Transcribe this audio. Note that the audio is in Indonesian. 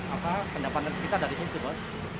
apa pendapatan kita dari sini sih bos